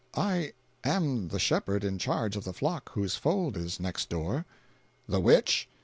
"I am the shepherd in charge of the flock whose fold is next door." "The which?"